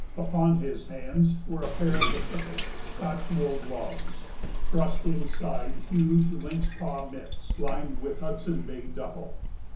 Upon his hands were a pair of the thickest Scotch wool gloves, thrust inside huge lynx paw mitts lined with Hudson Bay duffle.